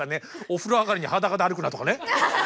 「お風呂上がりに裸で歩くな」とかね